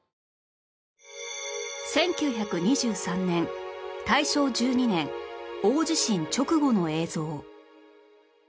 １９２３年大正１２年大地震直後の映像